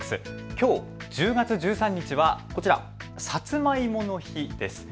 きょう１０月１３日はこちら、さつまいもの日です。